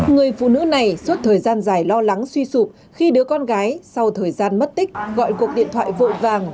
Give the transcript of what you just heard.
người phụ nữ này suốt thời gian dài lo lắng suy sụp khi đứa con gái sau thời gian mất tích gọi cuộc điện thoại vội vàng